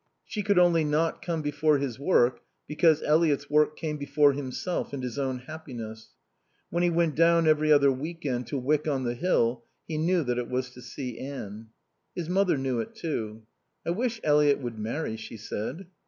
She could only not come before his work because Eliot's work came before himself and his own happiness. When he went down every other week end to Wyck on the Hill he knew that it was to see Anne. His mother knew it too. "I wish Eliot would marry," she said.